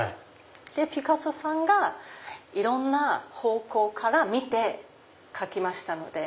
ピカソさんがいろんな方向から見て描きましたので。